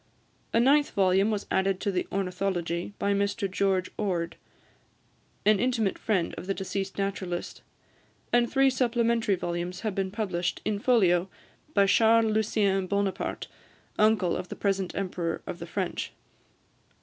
A ninth volume was added to the "Ornithology" by Mr George Ord, an intimate friend of the deceased naturalist; and three supplementary volumes have been published, in folio, by Charles Lucien Bonaparte, uncle of the present Emperor of the French.